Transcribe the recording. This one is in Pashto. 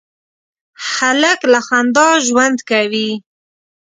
هلک له خندا ژوند کوي.